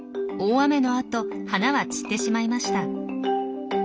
大雨のあと花は散ってしまいました。